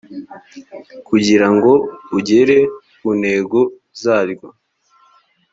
kugira ngo ugere ku ntego zaryo